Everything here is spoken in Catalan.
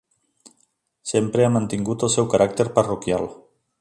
Sempre ha mantingut el seu caràcter parroquial.